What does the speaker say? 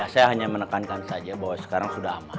saya hanya menekankan saja bahwa sekarang sudah aman